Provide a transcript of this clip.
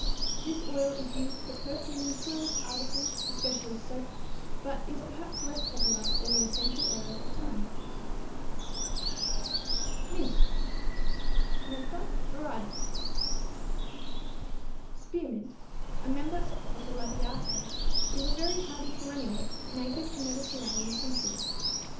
This oil is used for perfuming toilet articles, especially soap, but is perhaps less popular than the essential oil of thyme. =Mint= (Mentha viridis, Linn.) Spearmint, a member of the Labiatæ, is a very hardy perennial, native to Mediterranean countries.